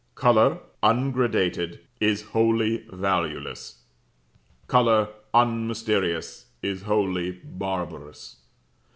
Colour ungradated is wholly valueless; colour unmysterious is wholly barbarous.